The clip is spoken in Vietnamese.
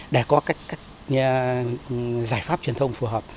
để có các giải pháp truyền thông phù hợp